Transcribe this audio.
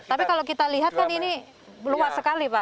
tapi kalau kita lihat kan ini luas sekali pak